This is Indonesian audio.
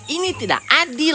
ini tidak adil